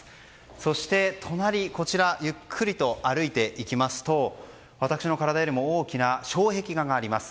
そして、隣ゆっくりと歩いていきますと私の体よりも大きな障壁画があります。